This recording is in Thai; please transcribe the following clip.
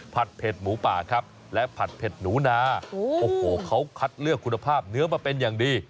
เผ็ดหมูป่าครับและผัดเผ็ดหนูนาโอ้โหเขาคัดเลือกคุณภาพเนื้อมาเป็นอย่างดี